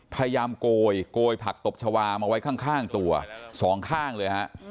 โกยโกยผักตบชาวามาไว้ข้างตัวสองข้างเลยฮะ